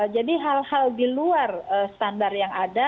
jadi hal hal di luar standar yang ada